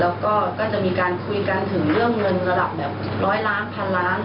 แล้วก็จะมีการคุยกันถึงเรื่องเงินระดับแบบร้อยล้านพันล้าน